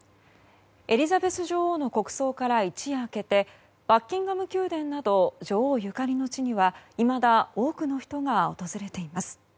エリザベス女王の国葬から一夜明けてバッキンガム宮殿など女王ゆかりの地にはいまだ多くの人が訪れています。